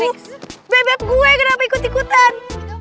kita mau ke benny makan